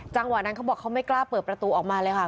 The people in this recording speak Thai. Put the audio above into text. จังหวะนั้นเขาบอกเขาไม่กล้าเปิดประตูออกมาเลยค่ะ